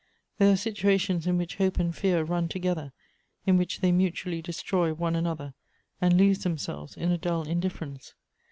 There are situations in which hope and fear run together, in which they mutually' destroy one another, and lose themselves in a dull indif ference.